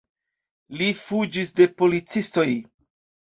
Ili fuĝis de policistoj.